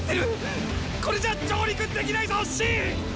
これじゃ上陸できないぞ信！